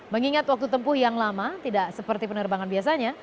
mengingat waktu tempuh yang lama tidak seperti penerbangan biasanya